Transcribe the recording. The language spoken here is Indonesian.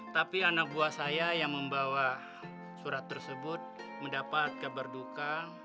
tapi anak buah saya yang membawa surat tersebut mendapat kabar duka